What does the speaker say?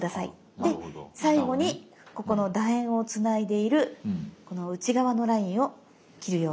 で最後にここのだ円をつないでいるこの内側のラインを切るようにして下さい。